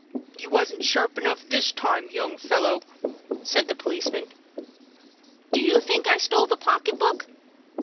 "You wasn't sharp enough this time, young fellow," said the policeman. "Do you think I stole the pocket book?"